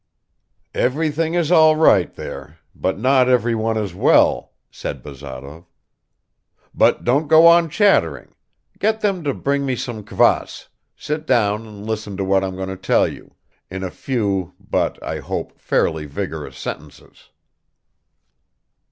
"Everything is all right there, but not everyone is well," said Bazarov. "But don't go on chattering, get them to bring me some kvass, sit down and listen to what I'm going to tell you, in a few, but, I hope, fairly vigorous sentences."